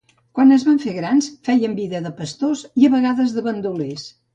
Quan es van fer grans feien vida de pastors, i a vegades de bandolers.